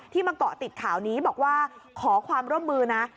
มาเกาะติดข่าวนี้บอกว่าขอความร่วมมือนะ